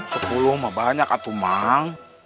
sepuluh mah banyak atu mang